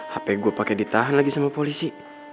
hp gua pake ditahan lagi sama polisi